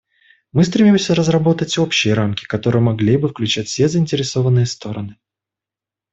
Мы стремимся разработать общие рамки, которые могли бы включать все заинтересованные стороны.